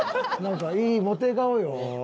何かいいモテ顔よ。